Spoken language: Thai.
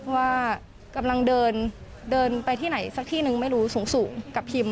ว่ากำลังเดินเดินไปที่ไหนสักที่นึงไม่รู้สูงกับพิม